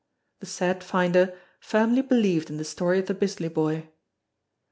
The said finder firmly believed in the story of the Bisley Boy.